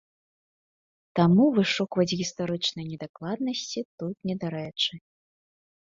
Таму вышукваць гістарычныя недакладнасці тут недарэчы.